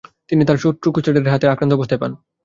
তিনি তার শহর ক্রুসেডারদের হাতে আক্রান্ত অবস্থায় পান।